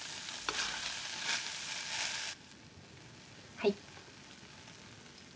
はい。